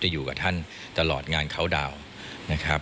อยู่กับท่านตลอดงานเขาดาวน์นะครับ